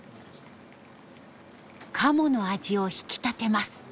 鴨の味を引き立てます。